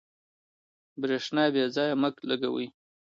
برېښنا بې ځایه مه لګوئ.